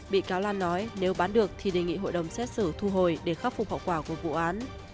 bị cáo lan nói nếu bán được thì đề nghị hội đồng xét xử thu hồi để khắc phục hậu quả của vụ án